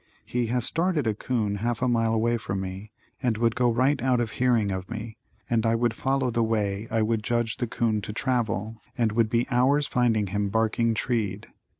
He has started a 'coon half a mile away from me and would go right out of hearing of me, and I would follow the way I would judge the 'coon to travel and would be hours finding him barking treed.